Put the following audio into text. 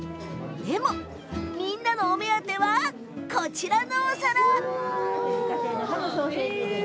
でもみんなのお目当てはこちらのお皿。